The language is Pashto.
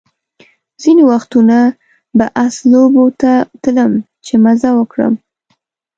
ځینې وختونه به آس لوبو ته تلم چې مزه وکړم.